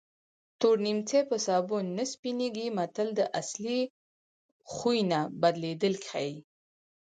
تور نیمڅی په سابون نه سپینېږي متل د اصلي خوی نه بدلېدل ښيي